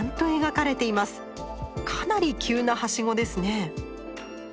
かなり急な梯子ですね。